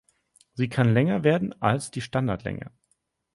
Sie kann länger werden als die Standardlänge.